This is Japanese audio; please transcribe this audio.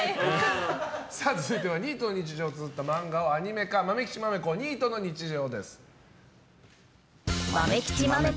続いてはニートの日常をつづった漫画をアニメ化「まめきちまめこニートの日常」。